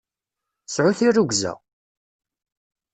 Sɛu tirrugza!